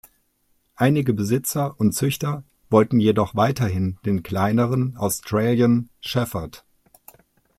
Einige Besitzer und Züchter wollten jedoch weiterhin den kleineren Australian Shepherd.